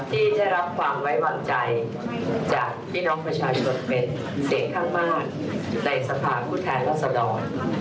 ที่ได้รับความไว้วางใจจากพี่น้องประชาชนเป็นเสียงข้างมากในสภาพผู้แทนรัศดร